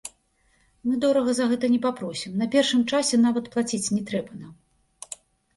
Мы дорага за гэта не папросім, на першым часе нават плаціць не трэба нам.